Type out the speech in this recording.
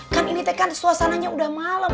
kan ini teh kan suasananya udah malem